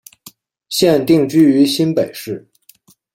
现定居于新北市。